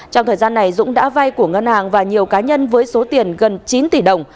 trong thời gian này dũng đã vay của ngân hàng và nhiều cá nhân với số tiền gần chín tỷ đồng